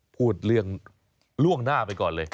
พูดเรื่องล่วงหน้าไปก่อนเลย